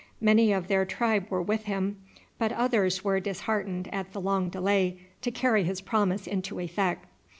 Many of their tribe were with him, but others were disheartened at the long delay to carry his promise into effect.